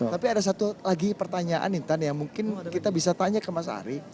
tapi ada satu lagi pertanyaan intan yang mungkin kita bisa tanya ke mas ari